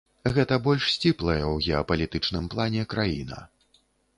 Гэта больш сціплая ў геапалітычным плане краіна.